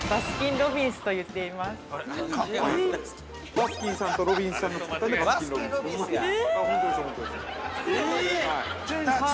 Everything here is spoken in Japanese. ◆バスキンさんとロビンさんが作ったんで、バスキン・ロビンス。